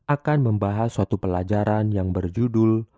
akan membahas suatu pelajaran yang berjudul